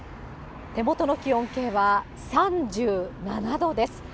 手元の気温計は３７度です。